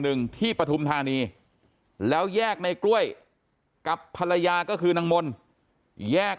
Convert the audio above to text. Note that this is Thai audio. หนึ่งที่ปฐุมธานีแล้วแยกในกล้วยกับภรรยาก็คือนางมนต์แยก